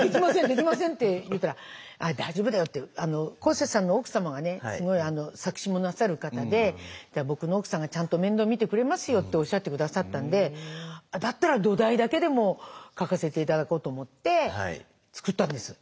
できません！」って言ったら「大丈夫だよ」って。こうせつさんの奥様が作詞もなさる方で「僕の奥さんがちゃんと面倒見てくれますよ」っておっしゃって下さったんでだったら土台だけでも書かせて頂こうと思って作ったんです。